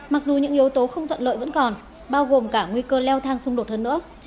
mặc dù những yếu tố không thuận lợi vẫn còn bao gồm cả nguy cơ leo thang xung đột hơn nữa